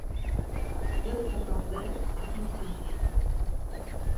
Gözkapakları hafifçe şişti.